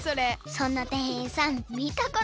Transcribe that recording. そんなてんいんさんみたことない。